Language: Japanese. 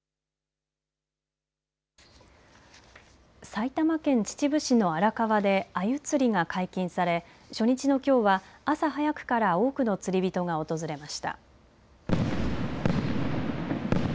埼玉県秩父市の荒川でアユ釣りが解禁され初日のきょうは朝早くから多くの釣り人が訪れました。